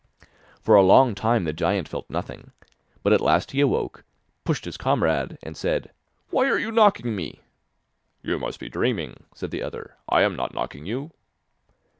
For a long time the giant felt nothing, but at last he awoke, pushed his comrade, and said: 'Why are you knocking me?' 'You must be dreaming,' said the other, 'I am not knocking you.